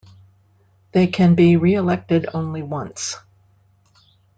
They can be re-elected only once.